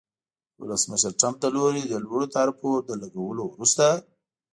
د ولسمشر ټرمپ له لوري د لوړو تعرفو له لګولو وروسته